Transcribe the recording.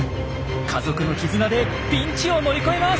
家族の絆でピンチを乗り越えます。